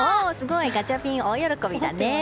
ガチャピン、大喜びだね。